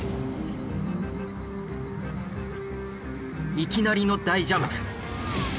いきなりの大ジャンプ。